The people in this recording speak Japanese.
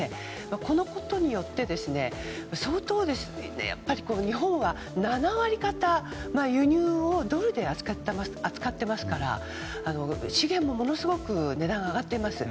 このことによって、日本は７割方輸入をドルで扱っていますから資源もものすごく値段が上がっています。